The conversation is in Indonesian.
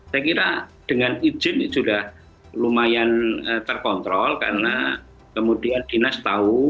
saya kira dengan ijin itu udah lumayan terkontrol karena kemudian dinas tau ini perginya kemana